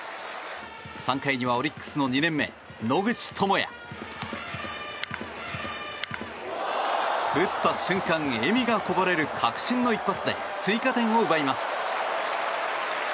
３回には、オリックスの２年目野口智哉。打った瞬間、笑みがこぼれる確信の一発で追加点を奪います。